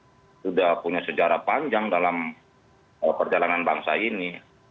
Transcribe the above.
dan kami juga sudah punya sejauh secara panjang dalam perjalanan bangsa ini